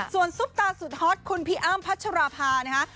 ส่วนซุปตาสุดฮอตคุณพี่อ้ำพัชราภานะคะ